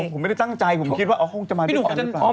ผมไม่ได้ตั้งใจผมคิดว่าคงจะมาด้วยกันหรือเปล่า